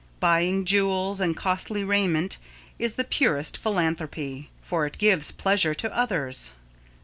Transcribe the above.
Buying jewels and costly raiment is the purest philanthropy, for it gives pleasure to others.